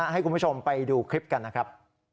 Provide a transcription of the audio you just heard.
ให้คุณผู้ชมไปดูคลิปกันนะครับ